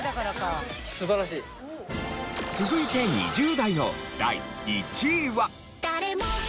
続いて２０代の第１位は。